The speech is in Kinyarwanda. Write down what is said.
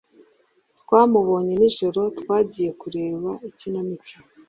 Twamubonye nijoro twagiye kureba ikinamico